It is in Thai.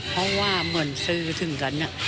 เพราะว่าเหมือนสื่อถึงกัน